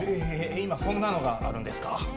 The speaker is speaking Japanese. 今そんなのがあるんですか？